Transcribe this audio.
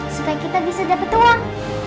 supaya kita bisa dapat uang